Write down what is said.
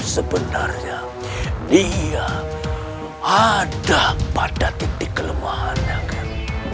sebenarnya dia ada pada titik kelemahannya kan